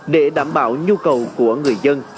để đảm bảo nhu cầu của người dân